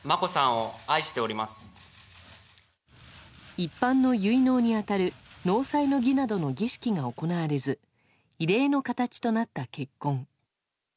一般の結納に当たる納采の儀などの儀式が行われず異例の形となった結婚。